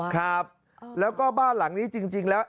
ครับแล้วก็บ้านหลังนี้จริงแล้ว